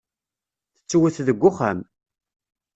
Tettwet deg uxxam.